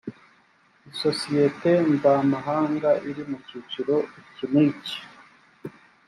isosiyete mvamahanga iri mu cyiciro iki n iki